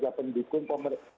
bahwa kita itu kontrol dari kisawal